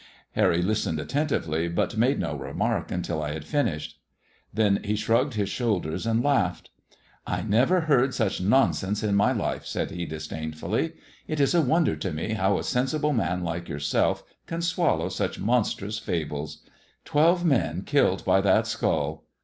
Harry listened attentively, but made no remark until I had finished. Then he ahmgged his shoulders and laughed. " I never heard such nonsense in my life^" said ha disdainfully. '^ It is a wonder to me how a sensible man like yourself can swallow such monstrous fables. Twebe men killed by that skull